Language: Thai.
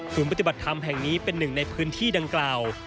ปฏิบัติธรรมแห่งนี้เป็นหนึ่งในพื้นที่ดังกล่าว